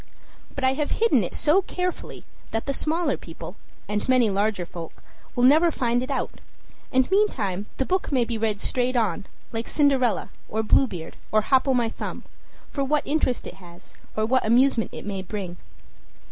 But I have hidden it so carefully that the smaller people, and many larger folk, will never find it out, and meantime the book may be read straight on, like "Cinderella," or "Blue Beard," or "Hop o'my Thumb," for what interest it has, or what amusement it may bring.